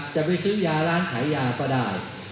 จะไปซื้อยาร้านขายยาก็ได้